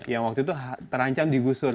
yang waktu itu terancam digusur